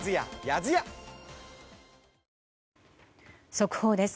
速報です。